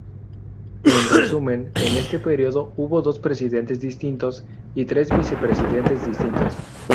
En resumen, en este período hubo dos presidentes distintos y tres vicepresidentes distintos.